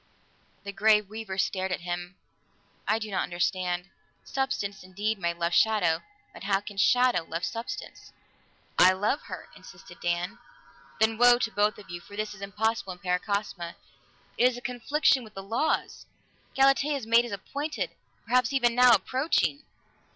The Grey Weaver stared at him. "I do not understand. Substance, indeed, may love shadow, but how can shadow love substance?" "I love her," insisted Dan. "Then woe to both of you! For this is impossible in Paracosma; it is a confliction with the laws. Galatea's mate is appointed, perhaps even now approaching."